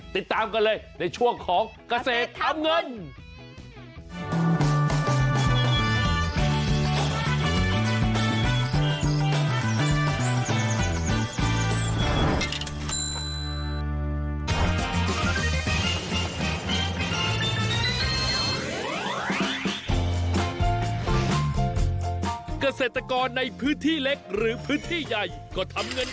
ติดตามกันเลยในช่วงของเกษตรทำเงิน